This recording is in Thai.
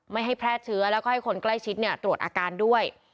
ไม่ให้แพร่เชื้อแล้วก็ให้คนใกล้ชิดตรวจอาการด้วย